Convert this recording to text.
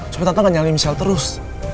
supaya tante ga nyali michelle terus